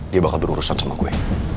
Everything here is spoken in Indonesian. dia bakal berurusan sama gue